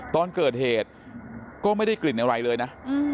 ตอนเกิดเหตุก็ไม่ได้กลิ่นอะไรเลยนะ